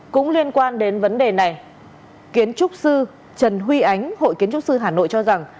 cũng liên quan đến vấn đề này kiến trúc sư trần huy ánh hội kiến trúc sư hà nội cho rằng